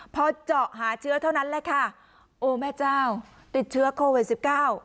พอเจาะหาเชื้อเท่านั้นแหละค่ะโอ้แม่เจ้าติดเชื้อโควิดสิบเก้า